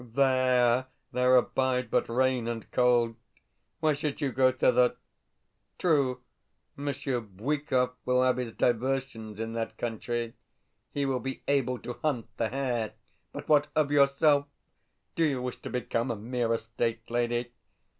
THERE there abide but rain and cold. Why should you go thither? True, Monsieur Bwikov will have his diversions in that country he will be able to hunt the hare; but what of yourself? Do you wish to become a mere estate lady?